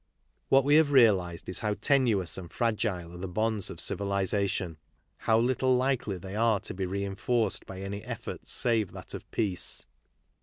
What we have realized is how tenuous and fragile are the bonds of civilization, how little likely they are to be reinforced by any effort save that of peace.